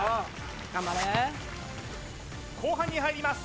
頑張れ後半に入ります